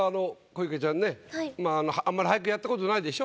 小池ちゃんねあんまり俳句やったことないでしょ？